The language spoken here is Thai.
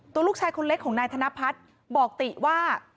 ตัวลูกชายคนเล็กของนายธนพัฒน์บอกติว่า